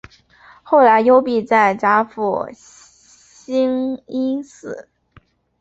后来幽闭在甲府兴因寺。